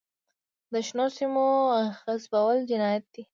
د شنو سیمو غصبول جنایت دی.